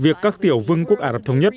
việc các tiểu vương quốc ả rập thống nhất